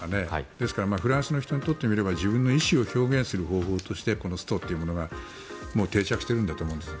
ですからフランスの人にとってみれば自分の意思を表現する方法としてこのストというものが定着しているんだと思うんです。